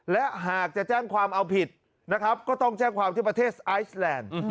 และหากจะแจ้งความเอาผิดนะครับก็ต้องแจ้งความที่ประเทศไอซแลนด์